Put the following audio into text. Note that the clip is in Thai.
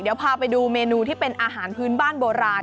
เดี๋ยวพาไปดูเมนูที่เป็นอาหารพื้นบ้านโบราณ